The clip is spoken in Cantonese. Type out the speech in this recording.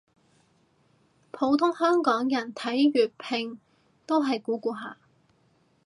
普通香港人睇粵拼都係估估下